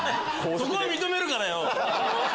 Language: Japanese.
そこは認めるからよ！